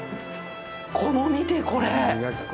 この、見て、これ！